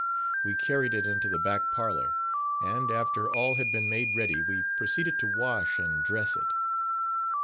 We carried it into the back parlor, and, after all had been made ready, we proceeded to wash and dress it.